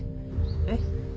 えっ？